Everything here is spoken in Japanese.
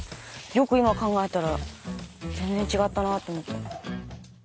よく今考えたら全然違ったなと思って。